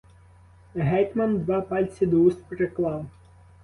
Гетьман два пальці до уст приклав.